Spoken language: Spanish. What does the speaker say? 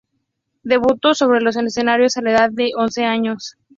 Debutó sobre los escenarios a la edad de once años.